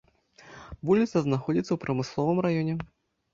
Вуліца знаходзіцца ў прамысловым раёне.